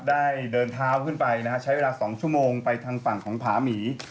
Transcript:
ได้เดินเท้าขึ้นไปนะฮะใช้เวลา๒ชั่วโมงไปทางฝั่งของผาหมี